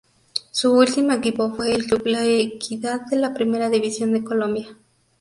Su último equipo fue el club La Equidad de la Primera División de Colombia.